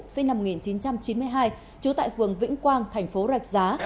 sinh năm một nghìn chín trăm chín mươi hai trú tại phường vĩnh quang thành phố rạch giá